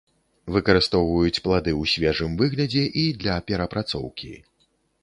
Выкарыстоўваюць плады ў свежым выглядзе і для перапрацоўкі.